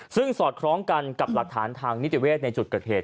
ซึ่งสอดคล้องกันกับหลักฐานทางนิติเวศในจุดเกิดเหตุ